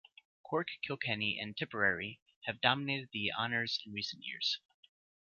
Cork, Kilkenny and Tipperary have dominated the honours in recent years.